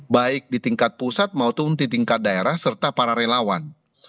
baik di tingkat pusat maupun di tingkat daerah serta para relawan